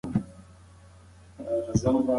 سزا د شر مخه نیسي